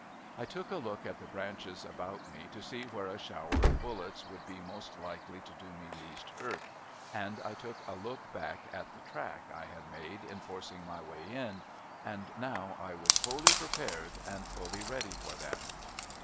I took a look at the 'branches about me, to see where a shower of bullets would be most likely to do me least hurt ; and I took a look back at the track I had made in forcing my way in ; and now I was wholly prepared and fully ready for them.